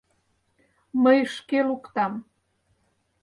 Мый шке луктам!